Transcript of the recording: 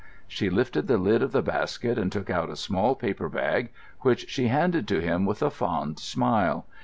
She lifted the lid of the basket and took out a small paper bag, which she handed to him with a fond smile.